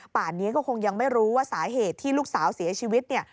ป่านนี้ก็คงยังไม่รู้ว่าสาเหตุที่ลูกสาวเสียชีวิตเนี่ย